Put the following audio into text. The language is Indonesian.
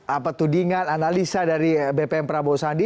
apa tudingan analisa dari bpm prabowo sandi